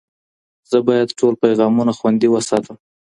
زه باید ټول پیغامونه خوندي وساتم.